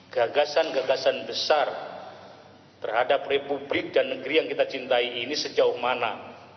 gagasan gagasan besar terhadap republik dan negeri yang kita cintai ini sejauh mana